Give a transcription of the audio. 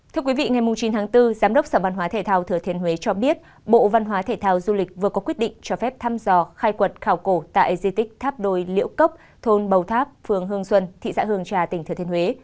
thưa quý vị ngày chín tháng bốn giám đốc sở văn hóa thể thao thừa thiên huế cho biết bộ văn hóa thể thao du lịch vừa có quyết định cho phép thăm dò khai quật khảo cổ tại di tích tháp đồi liễu cốc thôn bầu tháp phường hương xuân thị xã hương trà tỉnh thừa thiên huế